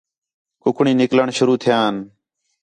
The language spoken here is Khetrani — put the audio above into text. کُکڑیں نِکلݨ شروع تھیان